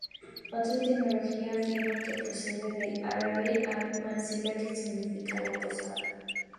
Otra etimología afirma que procede del árabe المنزلة "al-Manzila", que significa "la posada".